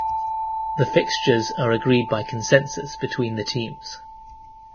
The fixtures are agreed by consensus between the teams.